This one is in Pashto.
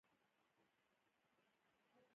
موږ ځانونه د بدو خلکو په لاس کې پرېښي.